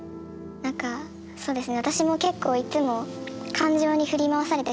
何かそうですね。